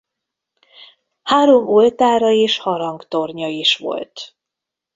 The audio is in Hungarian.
Három oltára és harangtornya is volt.